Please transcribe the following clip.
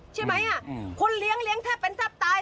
ใช่ไหมคนเลี้ยงแทบเป็นทรัพย์ตาย